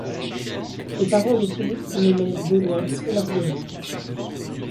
Les parents de Philippe se nommaient Baudouin et Marguerite.